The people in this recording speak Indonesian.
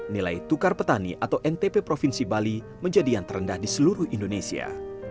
nilai tukar petani atau ntp provinsi bali menjadi yang terendah di seluruh indonesia